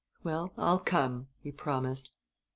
"Well, I'll come," he promised.